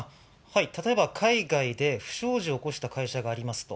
例えば、海外で不祥事を起こした会社がありますと。